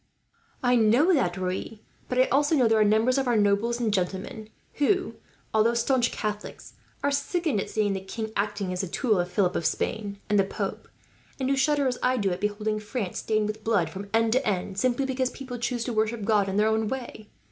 "I know that, Raoul; but I also know there are numbers of our nobles and gentlemen who, although staunch Catholics, are sickened at seeing the king acting as the tool of Philip of Spain and the pope; and who shudder, as I do, at beholding France stained with blood from end to end, simply because people choose to worship God in their own way.